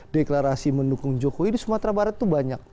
deklarasi mendukung jokowi di sumatera barat itu banyak